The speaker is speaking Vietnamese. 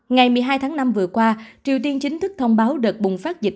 ngày một mươi hai tháng năm vừa qua triều tiên chính thức thông báo đợt bùng phát dịch